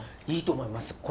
いいと思います。